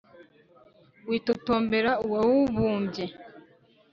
witotombera uwamubumbye!